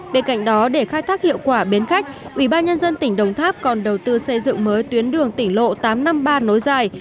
bên cạnh đó để khai thác hiệu quả bến khách ubnd tỉnh đồng tháp còn đầu tư xây dựng mới tuyến đường tỉnh lộ tám trăm năm mươi ba nối dài